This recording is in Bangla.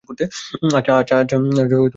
আচ্ছা, ভাবনা জি।